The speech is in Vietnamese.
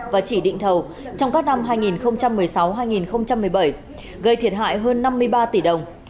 và chỉ định thầu trong các năm hai nghìn một mươi sáu hai nghìn một mươi bảy gây thiệt hại hơn năm mươi ba tỷ đồng